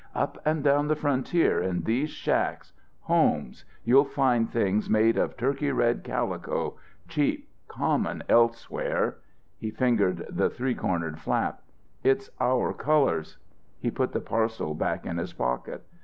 "Up and down the frontier in these shacks, homes, you'll find things made of turkey red calico, cheap, common elsewhere " He fingered the three cornered flap. "Its our 'colours.'" He put the parcel back in his pocket.